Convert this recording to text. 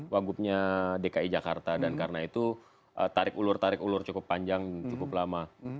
wagubnya dki jakarta dan karena itu tarik ulur tarik ulur cukup panjang cukup lama